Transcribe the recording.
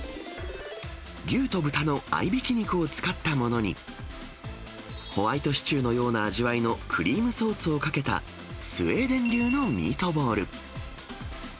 牛と豚の合いびき肉を使ったものに、ホワイトシチューのような味わいのクリームソースをかけた、スウェーデン流のミートボール。